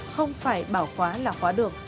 không phải bảo khóa là khóa được